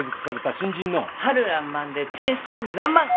春らんまんで天真らんまん！